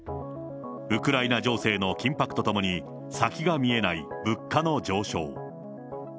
ウクライナ情勢の緊迫とともに先が見えない物価の上昇。